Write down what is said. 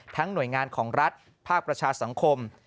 หน่วยงานของรัฐภาคประชาสังคม